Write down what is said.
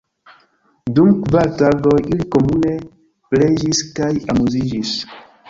Dum kvar tagoj ili komune preĝis kaj amuziĝis.